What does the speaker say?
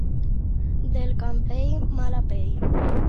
Del Campell, mala pell.